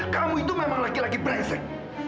kamu itu memang laki laki bresek